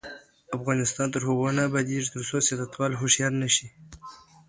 افغانستان تر هغو نه ابادیږي، ترڅو سیاستوال هوښیار نشي.